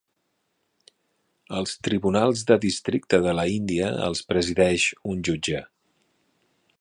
Els Tribunals de Districte de la Índia els presideix un jutge.